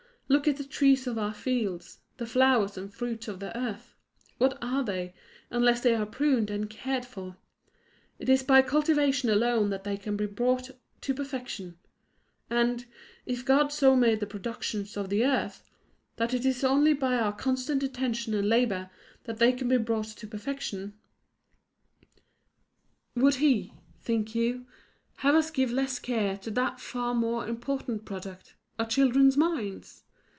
Look at the trees of our fields, the flowers and fruits of the earth what are they, unless they are pruned and cared for? It is by cultivation alone that they can be brought, to perfection. And, if God so made the productions of the earth, that it is only by our constant attention and labour that they can be brought to perfection, would He, think you, have us give less care to that far more important product, our children's minds?